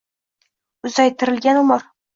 Uzaytirilgan umr